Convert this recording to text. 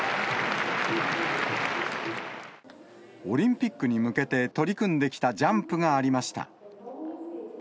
オリンピックに向けて取り組んできたジャンプがありました。